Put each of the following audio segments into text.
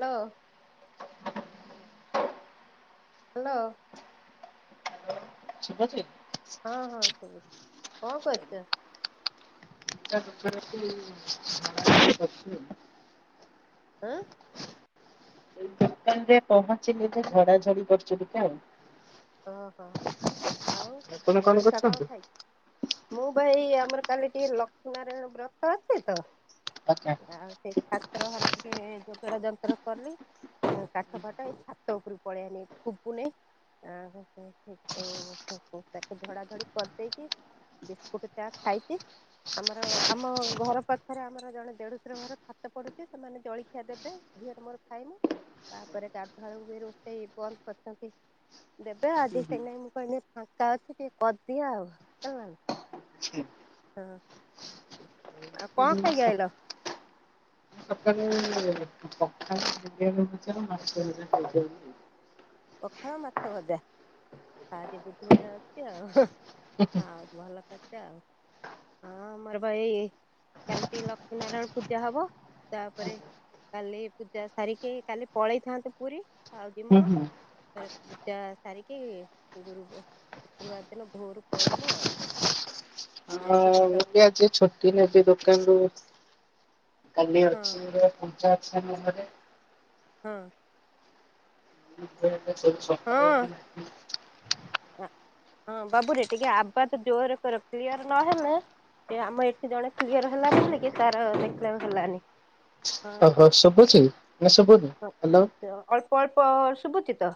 Hello. Hello. ଶୁଭଛି। ହଁ ହଁ ଶୁଭୁଛି କଣ କରୁଛ? [unintelligible] ଏଇଁ [unintelligible] ଦୋକାନରେ ପହଞ୍ଚି, ବୋଧେ ଝଡ଼ା, ଝଡ଼ି, କରୁଛନ୍ତି ଆଉ। ଅ ହ। ଆପଣ କଣ କରୁଚ? ମୁଁ ପା ହେଇ ଆମର କାଲି ଟିକେ ଲକ୍ଷ୍ମୀ ନାରାୟଣ ବ୍ରତ ଅଛି ତ ଆଚ୍ଛା। ଆଉ ସେ ଠା ଠାକୁର ଘର ଟିକେ ଯୋଗାଡ ଯନ୍ତ୍ର କଲି କାଠ ଫାଟ ଏଇ ଛାତ ଉପୁରୁକୁ ପଳିଆଇନି ଶୁଭୁନେଇ [unintelligible] ତାକୁ ଝଡା ଝଡି କରିଦେଇଚି। ବିସ୍କୁଟ ଚା ଖାଇଚି। ଆମର ଆମ ଘର ପାଖରେ ଆମର ଜଣେ ଦେଢୁଶର ଘର ଛାତ ପଡୁଚି ସେମାନେ ଜଳିଖିଆ ଦେବେ। ଝିଅର ମୋର ଖାଇମୁ, ତାପରେ ଗାଧୁଆ ବେଳକୁ ବି ରୋଷେଇ ବନ୍ଦ କରିଚନ୍ତି। ଦେବେ ଆଜି ସେଇନାଗି ମୁଁ କହିଲି ଫାଙ୍କା ଅଛି ଟିକେ କରିଦିଏ ଆଉ ଜାଣେଲା ନା। ହଁ ଆଉ କଣ ଖାଇକି ଆଇଲ? [unintelligible] [unintelligible] ମାଛ ହେଇଥିଲା ଖାଇକି ଆଇଲି। ପଖାଳ ମାଛ ଭଜା ଆଜି ବୁଧୁବାର ଅଛି ଆଉ ଭଲ। କରଚ ଆଉ ହଁ ଆମର ପା ଏଇ ଚାଲଚି ଲକ୍ଷ୍ମୀ ନାରାୟଣ ପୂଜା ହବ ତାପରେ କାଲି ପୂଜା ସାରିକି କାଲି ପଳେଇଥାନ୍ତୁ ପୁରୀ ଆଉ ହୁଁ ଜିମୁନୁ ହୁଁ। ତରେ ପୂଜା ସାର କି ଗୁରୁକୁ ଶୁକ୍ରବାର ଦିନ ଭୋରୁ ପଳେଇମୁଁ ଆଉ। ହଁ ଯାଇକି ଟିକେ ମୁଁ ଦର୍ଶ ବି ଆଜି ଛୁଟି ନେଇଚି ଦୋକାନ ରୁ [unintelligible] ହଁ। [unintelligible] ହ ହଁ ବାବୁରେ ଟିକେ ଆବାଜ ଯୋରେ କର କ୍ଲିୟର ନ ହେଲେ ଏ ଆମ ଏଠି ଜଣେ କ୍ଲିୟର ହେଲାନି କି ତାର ଏଗଜାମ୍ ହେଲାନି। ଓହୋ ସୁବୁଚି? ହ ଅଳ୍ପ ଅଳ୍ପ ଶୁଭୁଚିତ?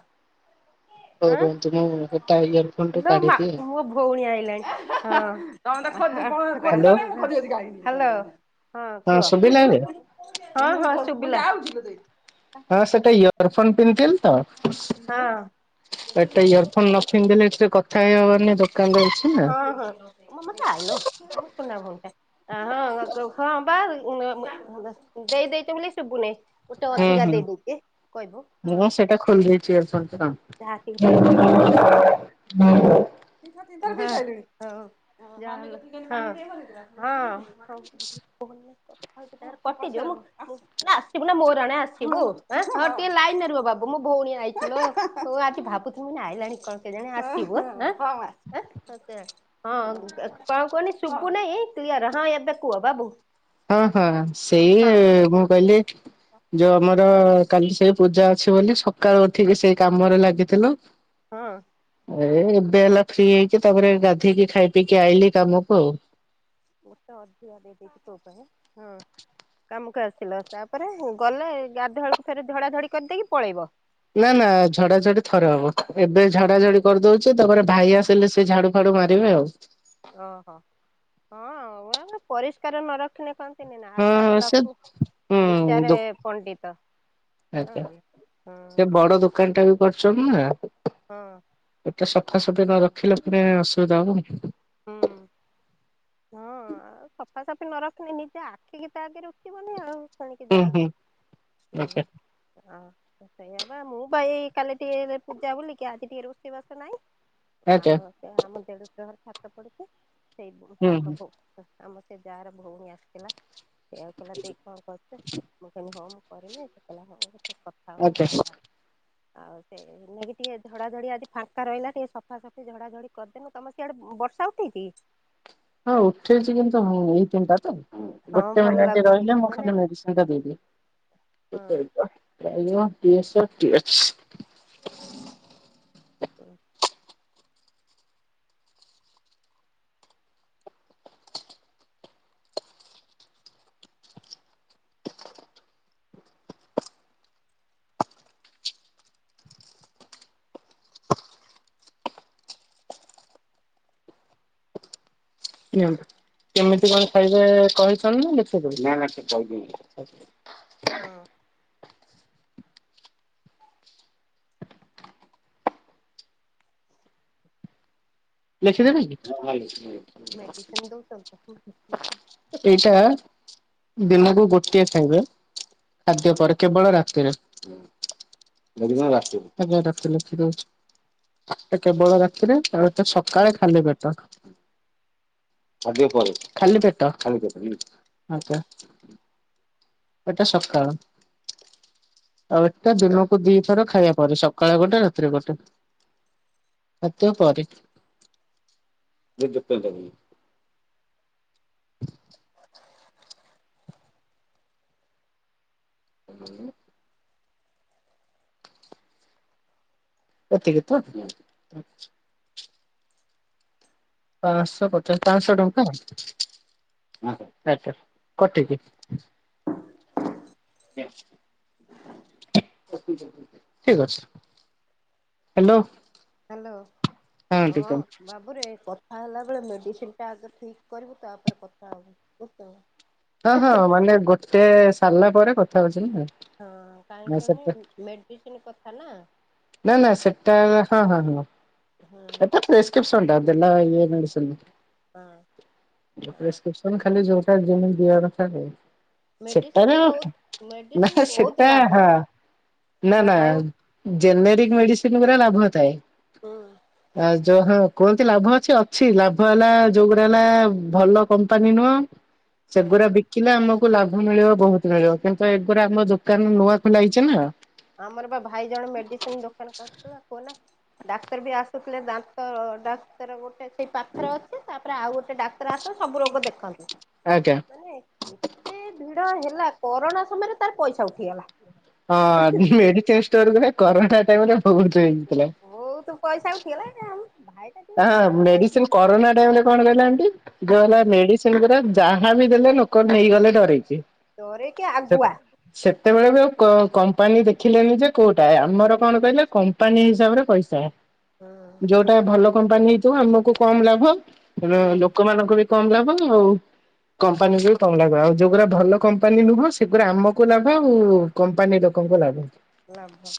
ହଉ ଆଁ ରୁହନ୍ତୁ ମୁଁ ହେଟା ଇୟର ଫୋନରୁ ଇଲୋ ମା କାଢିଦିଏ। ମୋ ଭଉଣୀ ଆଇଲାଣି ହଁ। [inaudible] Hello hello. ହଁ ହଁ କୁହ ଶୁଭିଲା ଏବେ? ହଁ ହଁ ଶୁଭିଲା। ହଁ ସେଟା ଇୟର ଫୋନ୍ ପିନ୍ଧିଥିଲି ତ ଏଟା ଇଅର୍ ଫୋନ୍ ନ ପିନ୍ଧି ଦେଲେ ଏଥିରେ କଥା ହେଇ ହବନି ଦୋ ହଁ, ହଁ, ମମତା ଆଇଲୋ ମୋ ସୁନା ଭଉଣୀ ଟା ଆ ହଁ ବା ଉଁ ନ ଦେଇ ଦେଇଚ ବୋଲି ଶୁଭୁନେଇଁ ହୁଁ ହୁଁ ମୁଁ ହଁ। ପା ସେଟା ଖୋଲଦେଇଚି ଇୟର ଫୋନ ଟା ଯାହା ଟିକେ [inaudible] [inaudible] ହୋଉ। [inaudible] ହଁ ହଁ [inaudible] ନା ଆସିବୁ ଲୋ ମୋ ରଣେ ଆସିବୁ ହଁ ଟିକେ ଲାଇନରେ ରୁହ ବାବୁ ମୋ ଭଉଣୀ ଆଇଚି ଲୋ ତୁ ଆଜି ଭାବୁଥିନି ମୁଁ କହିଲି ଆଇଲାଣି କଣ କେଜାଣି ଆସିବୁ ଆଁ ଆଁ ଆଁ ହଁ କଣ କୁହନି ଶୁଭୁନେଇଁ କ୍ଲିୟର ହଁ ଏବେ କୁହ ବାବୁ ହଁ ହଁ ସେଇ ହଁ ମୁଁ କହିଲି ଯୋଉ ଆମ ର କାଲି ସେଇ ପୂଜା ଅଛି ବୋଲି ସକାଳୁ ଉଠିକି ସେଇ କାମରେ ଲାଗିଥିଲୁ ହଁ। ଏ ଏବେ ହେଲା ଫ୍ରି ହେଇକି ତାପରେ ଗାଧେଇକି ଖାଇ ପିଇକି ଆଇଲି କାମକୁ ଆଉ। ଗୋଟେ ଅଧିକା ଦେଇ ଦେଇଚି ପୁଅ ପାଇଁ ଆଁ ହଁ। କାମକୁ ଆସିଲ ତାପରେ ଗଲେ ଗାଧୁଆଳକୁ ଫେରେ ଝଡ଼ା ଝଡ଼ି କରିଦେଇକି ପଳେଇବ? ନା ନା ଝଡା ଝଡି ଥରେ ହବ ଏବେ ଝଡା ଝଡି କରିଦଉଚି ତାପରେ ଭାଇ ଆସିଲେ ସେ ଝାଡ଼ୁ ଫାଡ଼ୁ ଡୁ ମାରିବେ ଆଉ। ଓହୋ ହଁ ଆଉ ପରିଷ୍କାର ନ ରଖିନେ କଣ ଖିନି ନା ହଁ ହଁ ଆଚାରେ ସେ ଲଘୁ ବିଚାରେ ପଣ୍ଡିତ। ଆଛା ଜାଣିଲ ନା ସେ ବଡ ଦୋକାନ ଟା ବି କରୁଚନ୍ତି ନା। ହଁ। ସଫା ସୁଫି ନ ରଖିଲେ ପୁଣି ଅସୁବିଧା ହବ। ହୁଁ। ହଁ ଆଉ ସଫାସଫି ନ ରଖିନି ନିଜେ ଆଖିକି ତା ଆଗେ ରୁଚିବନି ଆଉ। ତେଣିକି ହୁଁ ଯାହା ହୁଁ ହଉ ଆଚ୍ଛା। ହୁଁ ହଁ। ସେଇଆ ପା ମୁଁ ପା ଏଇ କାଲି ଟିକେ ପୂଜା ବୋଲିକି ଆଜି ଟିକେ ରୋଷେଇ ବାସ ନାଇଁ ଆଜ୍ଞା ଆଉ ସେ ଆମ ଦେଢୁଶୁର ଘର ଛାତ ପଡୁଛି ସେଇ ହୁଁ ତାଙ୍କ ହୁଁ [inaudible] [inaudible] ମୁଁ ଆଛା। ପରେ ଆଉ ସେ ନେଇାଇକି ଟିକେ ଝଡ଼ା ଝଡ଼ି ଆଜି ଫାଙ୍କା ରହିଲା ଟିକେ ସଫାସଫି ଝଡାଝଡି କରିଦେନୁ ତମେ ସିଆଡେ [unintelligible] ହଁ ଉଠେଇଛି କିନ୍ତୁ ହ ଏଇ ତିନିଟା ତ ହଁ ଗୋଟେ ଭଲ ମିନଟ ଲାଗୁଛି ରହିଲେ ମୁଁ ମାନେ ଖାଲି ମେଡିସିନ ଟା ଦେଇଦିଏ। ହଁ [unintelligible] [unintelligible] [inaudible] ହଁ। [inaudible] ହଁ ମେଡିସିନ ଦଉଛନ୍ତି ଦିନକୁ ଗୋଟିଏ ଖାଇବେ ଖାଦ୍ୟ ପରେ କେବଳ ରାତିରେ। [unintelligible] ଆଜ୍ଞ ରାତିରେଖ କେବଳ ରାତିରେ ତ ସକାଳେ ଖାଲି ପେଟ ଖାଦ୍ୟ ପରେ ଖାଲି ପେଟ ଖାଲି ପେଟ ଆଛା। ଏଟା ସକାଳ। ଆଉ ଏଟା ଦିନକୁ ଦିଥର ଖାଇବା ପରେ ସକାଳେ ଗୋଟେ ରାତିରେ ଗୋଟେ। ଖାଦ୍ୟ ପରେ। [inaudible] ହୁଁ। ଏତିିକି ତ ପାଞ୍ଚଶହ ପଚାଶ ପାଞ୍ଚଶହ ଟଙ୍କା। ହ କଟିକି ଠିକ ଅଛି ହ୍ୟାଲୋ। ହ୍ୟାଲୋ ଠିକ ହଁ ଅଛି ବାବୁରେ କ କଥା ହେଲା ବେଳେ ମେଡିସିନ ଟା ଆଗେ ଠିକ୍ କରିବୁ ତାପରେ କଥା ହବୁ ବୁଝୁ ହଁ ହଁ ମାନେ ଗୋଟେ ସାରିଲା ପରେ କଥା ହଉଛନ୍ତି। ହଁ କାଇଁ କହନି ମେଡିସିନ କଥା ନା ନା ନା ସେଟା ହଁ ହଁ ହଁ ହଁ ସେଟା ପ୍ରେସକ୍ରିପ୍ସନ ଟା ଦେଲା ଇଏ ହଁ। ମେଡ଼ିସିନ ହଁ ପ୍ରେସକ୍ରିପ୍ସନ ଖାଲି ଯୋଉ ତାର ଯେମିତି ଦେବା କଥା ଦେବେ। ମେଡିସିନ ରେ ବହୁତ ମେଡିସିନ ରେ ବହୁତ ସେଟା ଲାଭ। ହଁ ନା ନା କାହିଁ ଜେନେରିକ ମେଡିସିନ ଗୁରା ଲାଭ ଥାଏ ହୁଁ ଆଁ ହଁ କୁହନ୍ତି ଲାଭ ଅଛି ଅଛି ଲାଭ ହେଲା ଯୋଉଗୁଡା ହେଲା ଭଲ କମ୍ପାନୀ ନୁହଁ ହଁ। ସେଗୁରା ବିକିଲେ ଆମକୁ କୁ ଲାଭ ମିଳିବ ବହୁତ ମିଳିବ କିନ୍ତୁ ଏଗୁରେ ଆମ ଦୋକାନ ନୂଆ ଖୋଲା ହେଇଛି ନା ଆମର ବା ଭାଇ ଜଣ ମେଡିସିନ ଦୋକାନ କରିଥିଲେ କୁହନା ଡାକ୍ତର ବି ଆସୁଥିଲେ ଦାନ୍ତ ଡାକ୍ତର ଗୋଟେ ସେଇ ପାଖରେ ଅଛି ତାପରେ ଆଉ ଗୋଟେ ଡାକ୍ତର ଆସନ୍ତି ସବୁ ରୋଗ ଦେଖନ୍ତି। ଆଜ୍ଞା ମାନେ ଏତେ ଭିଡ ହେଲା କରୋନା ସମୟରେ ତାର ପଇସା ଉଠିଗଲା। ହଁ ମେଡିସିନ ଷ୍ଟୋର କରେ କରୋନା ଟାଇମ୍ ରେ ବହୁତ ହେଇଥିଲା। ବହୁତ ପଇସା ଉଠିଗଲା ନା ଆଉ ହଁ ମେଡିସିନ୍ କରୋନା ଟାଇମ୍ ରେ କଣ କହିଲ ଆଣ୍ଟି ଯୋଉ ହେଲା ମେଡିସିନ୍ ଗୁରା ଯାହା ବିି ଦେଲେ ଲୋକ ନେଇଗଲେ ଡରିକି ଡରିକି କେ ଆଗୁଆ କେତେବେଳେ ବି ଆଉ କମ୍ପାନୀ ଦେଖିଲେନି ଯେ କୋଉଟା ଆମର କଣ କହିଲେ କମ୍ପାନୀ ହିସାବରେ ପଇସା। ହୁଁ ଯୋଉଟା ଭଲ କମ୍ପାନୀ ହେଇଥିବ ଆମକୁ କମ ଲାଭ ଲୋକମାନଙ୍କୁ ବି କମ ଲାଭ ଆଉ କମ୍ପାନୀ କି ବି କମ ଲାଭ ଆଉ ଯୋଉଗୁଡା ଭଲ କମ୍ପାନୀ ନୁହଁ ସେଗୁରା ଆମକୁ ଲାଭ ଆଉ କମ୍ପାନୀ ର କଙ୍କୁ କୁ ଲାଭ ଲାଭ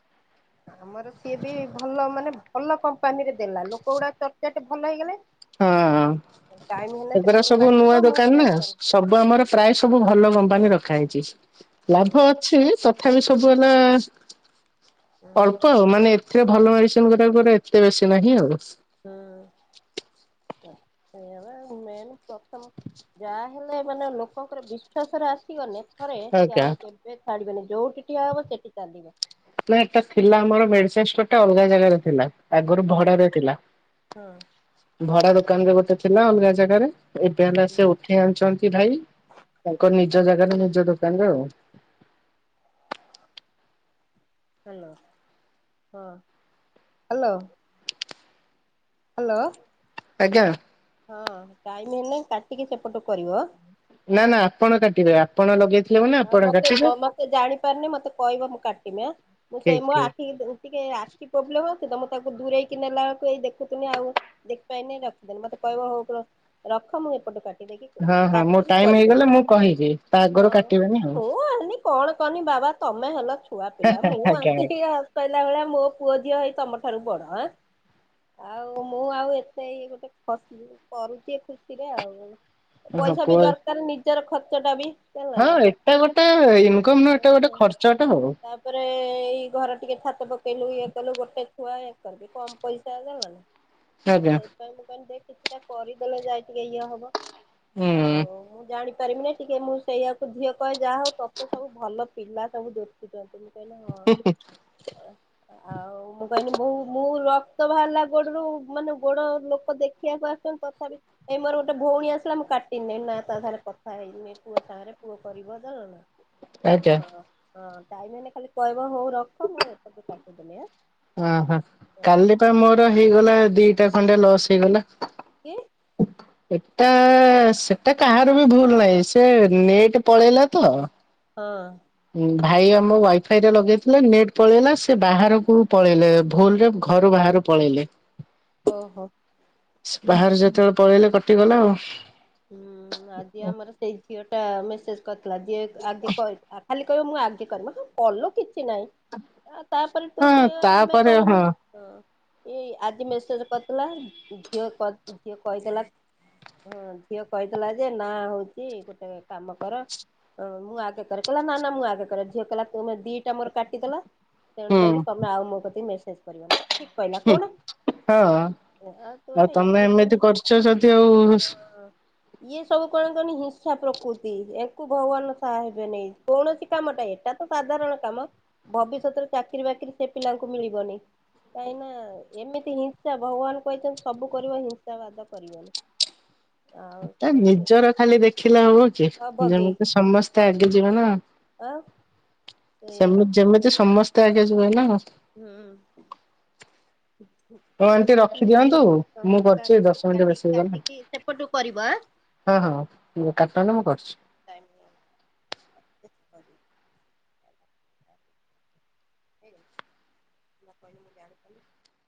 ଆମର ସିଏ ବି ଭଲ ମାନେ ଭଲ କମ୍ପାନୀରେ ଦେଲା ଲୋକ ଗୁଡା ଚଟ୍ ଚାଟେ ଭଲ ହେଇଗଲେ। ହଁ ହଁ। ଟାଇମ ହେଲେ ଏବେର ସେପଟୁ ସବୁ ନୂଆ କାଟିବ ମୁଁ ଦୋକାନ ନା ଫେରେ କରିବି। ସବୁ ହୁଁ ଆମର ପ୍ରାୟ ସବୁ ଭଲ କମ୍ପାନୀ ରଖ ଖାଇଁଚି ହୁଁ ଲାଭ ଅଛି ତଥାପି ସବୁ ହେଲା ହୁଁ। ଅଳ୍ପ ମାନେ ଏଥିରେ ଭଲ ମେଡିସିନ କରିବାକୁ ଏତେ ବେଶୀ ନାହିଁ ଆଉ ସେଏୟା ବା ମେନ୍ ପ୍ରଥମ ଯା ହେଲେ ମାନେ ଲୋକଙ୍କର ବିଶ୍ଵାସ ରେ ଆସିଗଲେି ଥରେ ସେ ଆଜ୍ଞା ଆଉ କେବେ ଛାଡିବେନି ଯୋଉଠି ଠିଆ ହବ ସେଠି ଚାଲିବ ନା ଏଟା ଥିଲା ଆମର ମେଡିସିନ ଷ୍ଟୋର ଟା ଅଲଗା ଜାଗାରେ ଥିଲା। ଆଗରୁ ହଁ ଭଡା ରେ ଥିଲା ହଁ ଭଡା ଦୋକାନରେ ଗୋଟେ ଥିଲା ଅଲଗା ଜାଗାରେ ଏବେ ହେଲା ସେ ଉଠେଇ ଆଣିଛନ୍ତି ଭାଇ ତାଙ୍କ ନିଜ ଜାଗାରେ ନି ଜ ଦୋକାନରେ ଆଉ ହଲୋ ହଁ ହ୍ୟାଲୋ। ହ୍ୟାଲୋ। ଆଜ୍ଞା। ହଁ ଟାଇମ ହେନେ କାଟିକି ସେପଟୁ କରିବ ନା ନା ଆପଣ କାଟିବେ ଆପଣ ଲଗେଇ ଆଉ ମତେ ମତେ ଜାଣିପାରନି ମତେ କହିବ ମୁଁ କାଟିମି ଆ ମୁଁ ଠିକ ସେଇ ମୋ ଠିକ ଆଖି ଟିକେ ଆଖି ପ୍ରବ୍ଲେମ୍ ଅ ତ ମୁଁ ତାକୁ ଦୂରେଇକି ନେଲା ବେଳୁ କୁ ଏଇ ଦେଖୁଥିଲି ଆଉ ଦେଖିି ପାଇନି ରଖିଦେଲି। ମୋତେ କହିବ ହଉ ରଖ୍ ରଖ ମୁଁ ଏପଟେ କା ହଁ ହଁ ମୋ ଟାଇମ ହେଇଗଲା ମୁଁ କହିବି ତା ଆଗରୁ ହଁ। କାଟିବେନି ଆଉ ମୁଁ କଣ କନି ବାବା ତମେ ହେଲ ଛୁଆ ପିଲା ମୁଁ ଆଜ୍ଞା ଆସିକି କହିଲା ଭଳିଆ ମୋ ପୁଅଝୀଅ ହେଇ ତମର ଠାରୁ ବଡ଼ ଏଁ ଆଉ ମୁଁ ଆଉ ଏତେ ଗୋଟେ ଏଇ ଖସି କରୁଚି ଖୁସିରେ ଆଉ ଆଜ୍ଞା ହଁ ପଇସା ବି ପୁଅ ଦରକାର ନିଜର ଖର୍ଚ୍ଚ ଟା ବି ଜାଣିଲ ହଁ ନା ଯେ ଏଟା ଗୋଟେ ଇନ୍ କମ ନୁହେଁ ଏଟା ଗୋଟେ ଖର୍ଚ୍ଚଟା ଆଉ ତାପରେ ଏଇ ଘର ଟିକେ ପକେଇଲୁ ଇଏ କଲୁ ଗୋଟେ ଛୁଆ ଆଙ୍କର ବି କମ ପଇସା ଜାଣିଲ ନା। ଆଜ୍ଞା ସେଇଥିପାଇଁ ମୁଁ କହିଲି ଦେଖ କିଛିଟା କରିଦେଲେ ଯାଇ ଟିକେ ଇଏ ହବ। ହୁଁ ଆଉ ମୁଁ ଜାଣିପାରିବି ନା ଟିକେ ମୁଁ ସେଇଆକୁ ଝିଅ କହେ ଯାହା ହଉ ତୋତେ ସବୁ ଭଲ ପିଲା ସବୁ ଯୁଟୁଛନ୍ତୀ। ବୁଝି ପାଇଲା ହ ଆଉ ମୁଁ କହିଲି ବୋହୁ ମୁଁ ରଖ ରକ୍ତ ବାହାରିଲା ଗୋଡରୁ ମାନେ ଗୋଡ ଲୋକ ଦେଖିବାକୁ ଆସୁଛନ୍ତି ତଥାପି ଏ ମୋର ଗୋଟେ ଭଉଣୀ ଆସିଲା। କାଟି ନି ନା ତା ସାରେ କଥା ହେଇନି ପୁଅ ସାଙ୍ଗରେ ପୁଅ କରିବଦ ଆଜ୍ଞା ହଁ ହଁ। ଟାଇମ୍ ହେନେ କହିବା ହଉ ରଖ ମୁଁ ଏପକୁୁ କାଟିଦେଲିିଁ ଏଁ। ଓହୋ କାଲି ପା ମୋର ହେଇଗଲା ଦିଟା ଖଣ୍ଡେ ଲସ୍ ହେଇଗଲା। କି? ଏଟା ସେଟା କାହାର ବି ଭୁଲ ନାହିଁ ସେ ନେଟ୍ ପଳେଇଲା ତ। ହଁ ଭାଇ ଆମ ୱାଇଫାଇ ରେ ଲଗେଇଥିଲେ ନେଟ ପଳେଇଲା ସେ ବାହାରକୁ ପଳେଇଲେ ଭୁଲରେ ଘରୁ ବାହା ତାର ପଳେଇଲେ। ଓହୋ। ବାହାରେ ଯେତେବେଳେ ପଳେଇଲେ କଟିଗଲା ଆଉ। ହୁଁ ଆଜି ଆମର ସେଇ ଝିଅ ଟା ମେସେଜ କରିଥିଲା ଯେ ଆଜି କ ଖାଲି କହିବ ମୁଁ ଆଗେ କରିବି କଲ କିଛି କିଛି ନାଇଁ ଆ ତାପରେ ତୁ ହଁ ଟିକେ ଆମେ ତାପରେ ହଁ କରିବୁନି ହଁ। ଏଇ ଆଜି ମେସେଜ କରିଥିଲା ଝିଅ ଝିଅ କହିଥିଲା ହଁ ଝିଅ କହିଦେଲା ଯେ ନା ହଉଛି ଗୋଟେ କାମ କର। ହ ମୁଁ ଆଗେ କରେ କହଲା ନା ନା ମୁଁ ଆଗେ କରେ ଝିଅ କହଲା ତମେ ଦିଟା ମୋର କାଟିଦେଲ ତେଣୁ ହୁଁ କରିକି ତମେ ଆଉ ମୋ କତିକି ମେସେଜ କରିବନି ଠିକ କହିଲା କହୁନ। ହଁ ନାଇ ତମେ ଏମିତି କରଛ ଯଦି ଆଉ ଇଏ ସବୁ କଣ କଣ ହିଂସା ପ୍ରକୃତି ଏହାକୁ ଭଗବାନ ସାହା ହେବେନି କୌଣସି କାମଟା ଏଇଟା ତ ସାଧାରଣ କାମ ଭବିଷ୍ୟତରେ ଚାକିରୀ ବାକିରି ସେ ପିଲାଙ୍କୁ ମିଳିବନି କାହିଁ ନା ଏମିତି ହିଂସା ଭଗବାନ କହିଛନ୍ତି ସବୁ କରିବ ହିଂସା ବାଦ କରିବନି। [inaudible] ଆଉ ତା ସେ ସେ ନିଜର ଖାଲି ଦେଖିଲା ହବ କି ହବ ଯେମିତି ସମସ୍ତେ ଆଗେ ଯିବେ ନା। ଆଉ। ସେମିତି ଯେମିତି ସମସ୍ତେ ଆଗେ ଯିବେ ନା ଆଉ। ହୁଁ। ହଉ [unintelligible] ଆଣ୍ଟି ରଖିଦିଅନ୍ତୁ ମୁଁ କରୁଛି କଟିକି ଦଶ ମିନିଟ୍ ବେଶୀ ହେଇଗଲା। କାଟିକି ସେପଟୁ କରିବ ଆଁ। ହଁ ହଁ କାଟନ୍ତୁ ମୁଁ କରୁଛି। ଟାଇମ୍ ହେଇଗଲା [unintelligible]